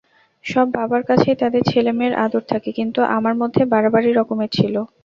সব বাবার কাছেই তাদের ছেলেমেয়ের আদর থাকে, কিন্তু আমার মধ্যে বাড়াবাড়ি রকমের ছিল।